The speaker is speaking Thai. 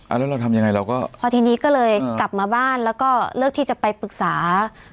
แล้วเราทำยังไงเราก็พอทีนี้ก็เลยกลับมาบ้านแล้วก็เลือกที่จะไปปรึกษา